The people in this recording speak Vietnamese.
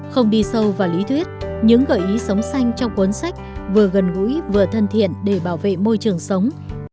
không đi sâu vào lý thuyết những gợi ý sống xanh trong cuốn sách vừa gần gũi vừa thân thiện để bảo vệ môi trường sống